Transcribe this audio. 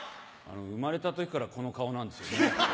生まれた時からこの顔なんですよ。